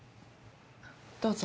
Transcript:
どうぞ。